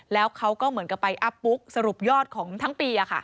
แล้วเขาก็เหมือนกับไปอัพบุ๊กสรุปยอดของทั้งปี